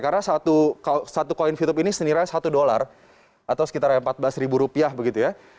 karena satu koin vtube ini senilai satu dollar atau sekitar empat belas ribu rupiah begitu ya